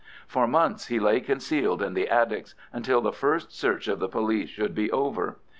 For months he lay concealed in the attics until the first search of the police should be over.